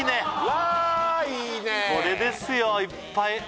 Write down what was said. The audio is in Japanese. これですよいっぱい！